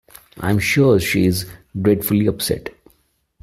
I'm sure she is dreadfully upset.